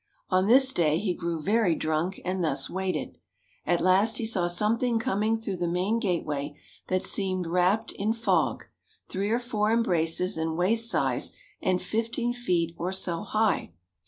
On this day he grew very drunk, and thus waited. At last he saw something coming through the main gateway that seemed wrapped in fog, three or four embraces in waist size, and fifteen feet or so high.